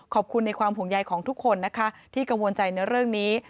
ขอบคุณในความห่วงใยของทุกคนนะคะที่กังวลใจในเรื่องนี้